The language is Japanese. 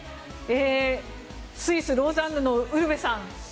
スイス・ローザンヌのウルヴェさん。